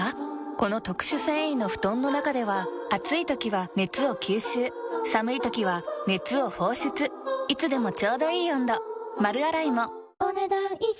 この特殊繊維の布団の中では暑い時は熱を吸収寒い時は熱を放出いつでもちょうどいい温度丸洗いもお、ねだん以上。